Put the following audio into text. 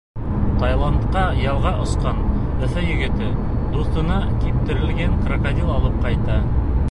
Таиландҡа ялға осҡан Өфө егете дуҫына киптерелгән крокодил алып ҡайта.